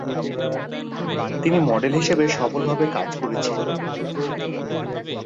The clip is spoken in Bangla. তিনি মডেল হিসেবে সফলভাবে কাজ করেছিলেন।